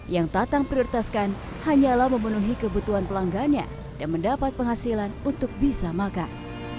yang tatang prioritaskan hanyalah memenuhi kebutuhan pelanggannya dan mendapat penghasilan untuk bisa makan